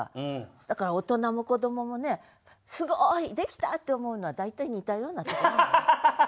だから大人も子どももね「すごい！」「できた！」って思うのは大体似たような句が多い。